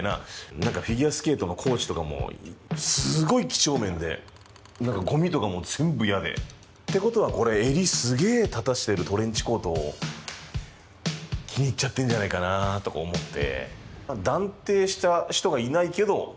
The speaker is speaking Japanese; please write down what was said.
何かフィギュアスケートのコーチとかもすごい几帳面で何かゴミとかも全部嫌で。ってことはこれ襟すげえ立たしてるトレンチコートを気に入っちゃってんじゃないかなとか思って。